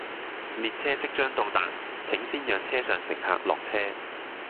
列車即將到達，請先讓車上乘客落車